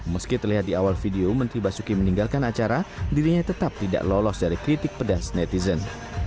meski terlihat di awal video menteri basuki meninggalkan acara dirinya tetap tidak lolos dari kritik pedas netizen